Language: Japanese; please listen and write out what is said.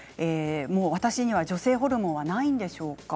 私には女性ホルモンはないんでしょうか。